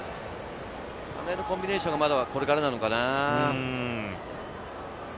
その辺のコンビネーションがまだこれからなのかな。